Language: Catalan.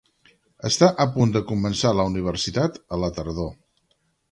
Està a punt de començar la universitat a la tardor.